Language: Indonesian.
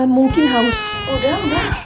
mungkin haus udah udah